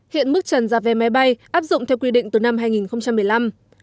hiện mức trần giá vé máy bay áp dụng theo quy định từ năm hai nghìn một mươi năm